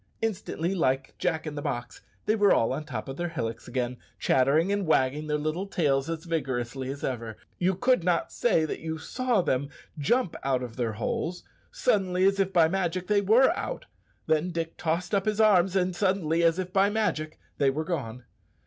Instantly, like Jack in the box, they were all on the top of their hillocks again, chattering and wagging their little tails as vigorously as ever. You could not say that you saw them jump out of their holes. Suddenly, as if by magic, they were out; then Dick tossed up his arms, and suddenly, as if by magic, they were gone!